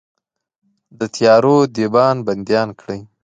د تیارو دیبان بنديان کړئ